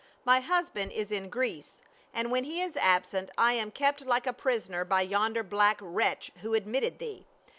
" My husband is in Greece, and when he is absent I am kept like a prisoner by yonder black wretch who admitted thee.